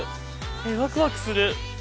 えワクワクする！